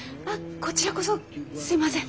こちらこそすいません。